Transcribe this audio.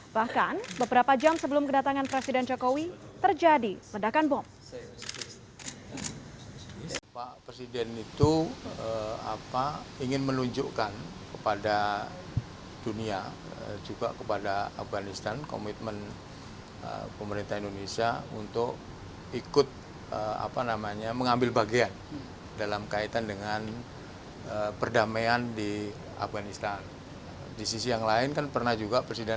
bahkan beberapa jam sebelum kedatangan presiden jokowi terjadi pedakan bom